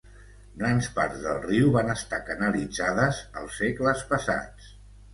Grans parts del riu van estar canalitzades als segles passats.